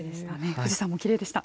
富士山もきれいでした。